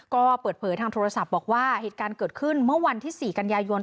ก็เปิดเผยทางโทรศัพท์บอกว่าเหตุการณ์เกิดขึ้นเมื่อวันที่๔กันยายน